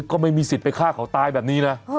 ก็ไม่มีสิทธิ์ไปฆ่าเขาตายแบบนี้นะ